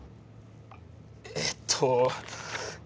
えっと。